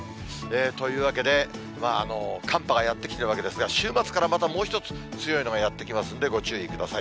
というわけで、寒波がやって来ているわけですが、週末からまたもう一つ、強いのがやって来ますので、ご注意ください。